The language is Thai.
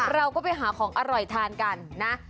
เราก็ไปหาของอร่อยทานกันนะ